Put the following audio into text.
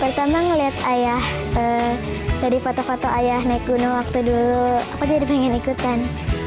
pertama ngeliat ayah tadi foto foto ayah naik gunung waktu dulu aku jadi pengen ikutan